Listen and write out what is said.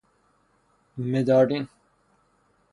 مدارین